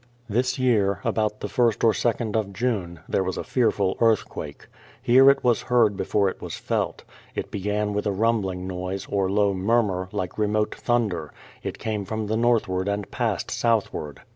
This year, about the ist or 2nd of June, there was a fearful earthquake. Here it was heard before it was felt. It began with a rumbling noise, or low murmur, like remote thunder; it came from the northward and passed southward.